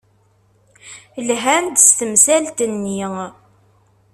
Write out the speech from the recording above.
Lhan-d s temsalt-nni.